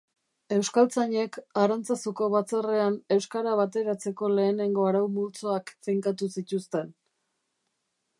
Euskaltzainek Arantzazuko batzarrean euskara bateratzeko lehenengo arau multzoak finkatu zituzten